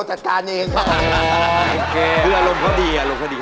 อารมณ์พอดีค่ะ